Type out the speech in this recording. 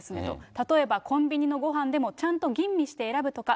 例えばコンビニのごはんでもちゃんと吟味して選ぶとか。